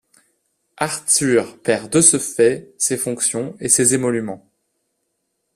Arthur perd de ce fait ses fonctions et ses émoluments.